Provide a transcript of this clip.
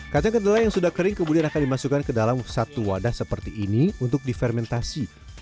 kacang kedelai yang sudah kering kemudian akan dimasukkan ke dalam satu wadah seperti ini untuk difermentasi